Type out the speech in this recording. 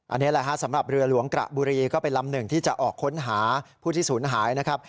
อันนี้แหละฮะสำหรับเรือหลวงกระบุรีก็เป็นลำหนึ่งที่จะออกค้นหาผู้ที่ศูนย์หายนะครับ